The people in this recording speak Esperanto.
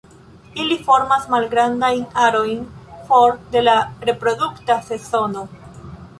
Ili formas malgrandajn arojn for de la reprodukta sezono.